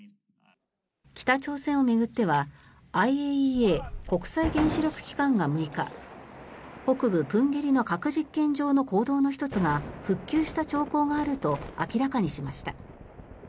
北朝鮮を巡ってはＩＡＥＡ・国際原子力機関が６日北部・豊渓里の核実験場の坑道の１つが復旧した兆候があると明らかにしました。